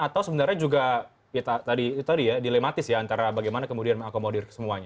atau sebenarnya juga dilematis ya antara bagaimana kemudian mengakomodir semuanya